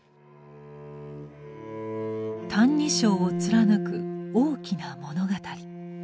「歎異抄」を貫く「大きな物語」。